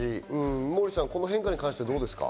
モーリーさん、この変化はどうですか？